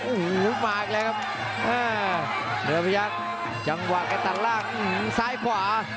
โอ้โหมาอีกเลยครับเรือพยักษ์จังหวะแกตัดล่างซ้ายขวา